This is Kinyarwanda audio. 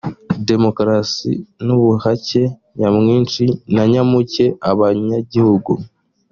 demokarasi n ubuhake nyamwinshi na nyamuke abanyagihugu